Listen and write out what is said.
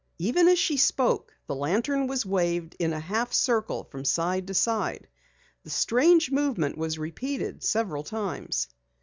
Even as she spoke, the lantern was waved in a half circle from side to side. The strange movement was repeated several times.